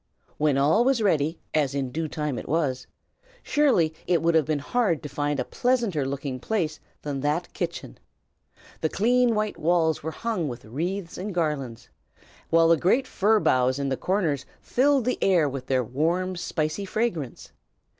When all was ready, as in due time it was, surely it would have been hard to find a pleasanter looking place than that kitchen. The clean white walls were hung with wreaths and garlands, while the great fir boughs in the corners filled the air with their warm, spicy fragrance.